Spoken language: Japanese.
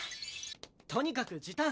とにかく時短！